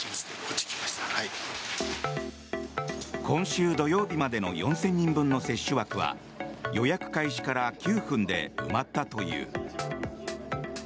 今週土曜日までの４０００人分の接種枠は予約開始から９分で埋まったという。